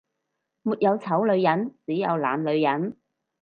沒有醜女人，只有懶女人